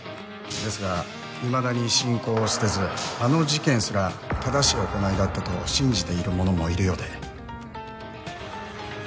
ですがいまだに信仰を捨てずあの事件すら正しい行いだったと信じている者もいるようで。